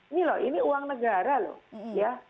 ini loh ini uang negara loh ya